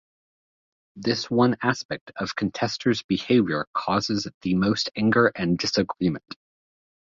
This one aspect of contesters' behaviour causes the most anger and disagreement.